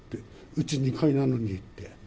うち、２階なのにって。